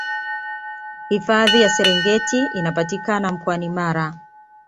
hifadhi ya serengeti inapatikana mkoani mara